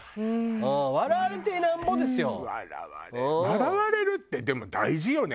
笑われるってでも大事よね。